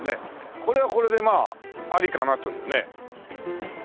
これはこれでまあありかなというね。